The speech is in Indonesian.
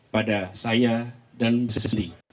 pada saya dan bung sendi